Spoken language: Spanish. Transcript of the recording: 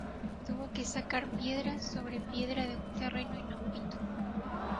Tuvo que sacar piedra sobre piedra de un terreno inhóspito.